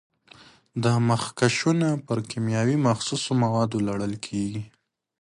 دا مخکشونه پر کیمیاوي مخصوصو موادو لړل کېږي.